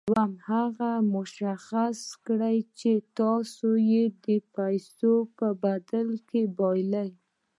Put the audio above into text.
دويم هغه څه مشخص کړئ چې تاسې يې د پیسو په بدل کې بايلئ.